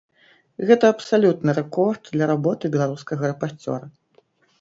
Гэта абсалютны рэкорд для работы беларускага рэпарцёра.